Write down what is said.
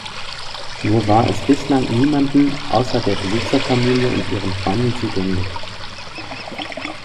Nur war es bislang niemanden außer der Besitzerfamilie und ihren Freunden zugänglich.